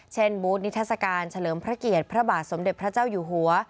บูธนิทรศการเฉลิมพระเกียรติพระบาทสมเด็จพระเจ้าอยู่หัว